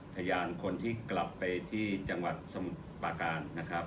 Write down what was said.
พยานคนที่กลับไปที่จังหวัดสมปาการ